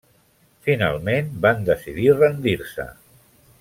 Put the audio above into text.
Finalment van decidir rendir-se.